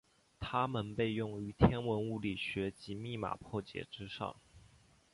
它们被用于天文物理学及密码破解之上。